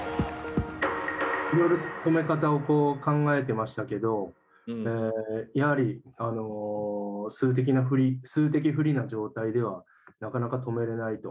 いろいろ止め方を考えてましたけどやはり数的不利な状態ではなかなか止めれないと。